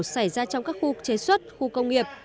xảy ra trong các khu chế xuất khu công nghiệp